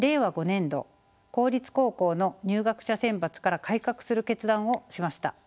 ５年度公立高校の入学者選抜から改革する決断をしました。